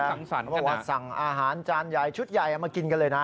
มันทั้งสังสรรค์กันอ่ะเพราะว่าสั่งอาหารจานใหญ่ชุดใหญ่เอามากินกันเลยนะ